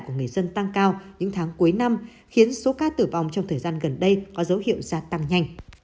của người dân tăng cao những tháng cuối năm khiến số ca tử vong trong thời gian gần đây có dấu hiệu gia tăng nhanh